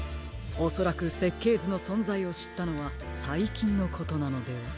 おそらくせっけいずのそんざいをしったのはさいきんのことなのでは？